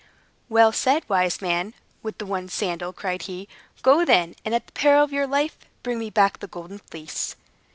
"Well said, wise man with the one sandal!" cried he. "Go, then, and at the peril of your life, bring me back the Golden Fleece."